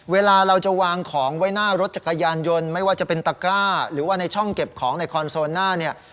เวลาเราจะวางของไว้หน้ารถจักรยานยนต์ไม่ว่าจะเป็นตะกร้าหรือว่าในช่องเก็บของในคอนโซลหน้าเนี่ย